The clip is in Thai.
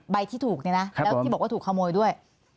ใบที่ถูกที่บอกว่าถูกขโมยด้วย